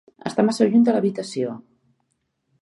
Està massa lluny de l'habitació.